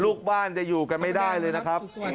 ลูกบ้านจะอยู่กันไม่ได้เลยนะครับ